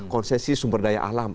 konsesi sumber daya alam